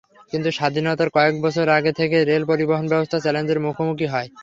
কিন্তু স্বাধীনতার কয়েক বছর আগে থেকেই রেল পরিবহনব্যবস্থা চ্যালেঞ্জের মুখোমুখি হয়।